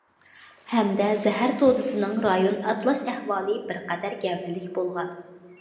ھەمدە زەھەر سودىسىنىڭ رايون ئاتلاش ئەھۋالى بىر قەدەر گەۋدىلىك بولغان.